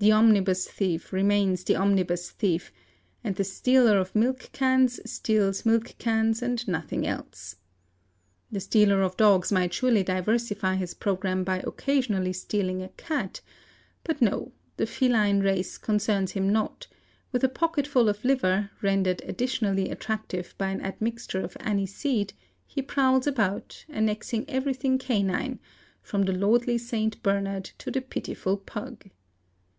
The omnibus thief remains the omnibus thief; and the stealer of milk cans steals milk cans and nothing else. The stealer of dogs might surely diversify his programme by occasionally stealing a cat; but no, the feline race concerns him not: with a pocketful of liver, rendered additionally attractive by an admixture j of aniseed, he prowls about, annexing everything canine, from the lordl St. Bernard to the pitiful pug.